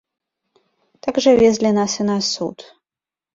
Так жа везлі нас і на суд.